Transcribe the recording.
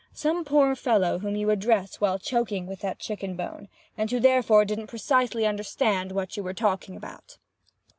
Some poor fellow whom you address while choking with that chicken bone, and who therefore didn't precisely understand what you were talking about.